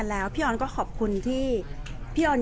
เพราะฉะนั้นขอบคุณเขาด้วยซ้ำที่ทำให้เรามีลูกที่น่ารัก